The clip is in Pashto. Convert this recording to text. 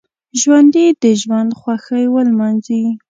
ژوندي د ژوند خوښۍ ولمانځي